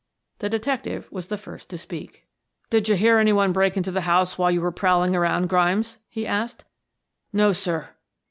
The detective was the first to speak. "Did you hear any one break into the house when you were prowling around, Grimes?" he asked. "No, sir."